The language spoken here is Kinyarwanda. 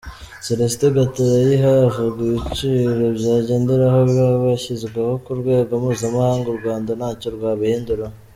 Célestin Gatarayiha, avuga ibiciro bagenderaho biba byashyizweho ku rwego mpuzamahanga, u Rwanda ntacyo rwabihinduraho.